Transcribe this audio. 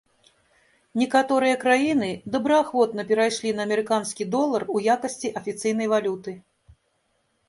Некаторыя краіны добраахвотна перайшлі на амерыканскі долар у якасці афіцыйнай валюты.